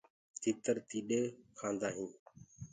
تيٚتر تيڏينٚ ڪآندآ هينٚ۔